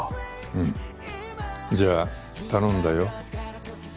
うんじゃあ頼んだよ。